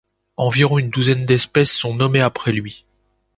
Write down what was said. Environ une douzaine d'espèces sont nommées après lui.